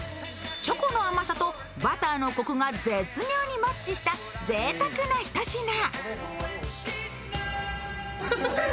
チョコの甘さとバターのコクが絶妙にマッチしたぜいたくなひと品。